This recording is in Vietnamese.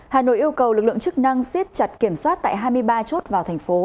hà nội yêu cầu lực lượng chức năng siết chặt kiểm soát tại hai mươi ba chốt vào thành phố